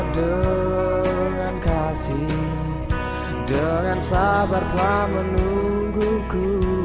dengan sabar telah menungguku